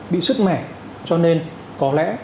bị sức mẻ cho nên có lẽ